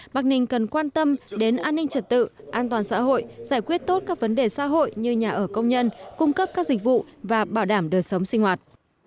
bắc ninh cần quan tâm đến an ninh trật tự an toàn xã hội giải quyết tốt các vấn đề xã hội như nhà ở công nhân cung cấp các dịch vụ và bảo đảm đời sống sinh hoạt